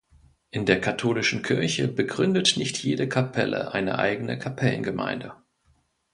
In der Katholischen Kirche begründet nicht jede Kapelle eine eigene Kapellengemeinde.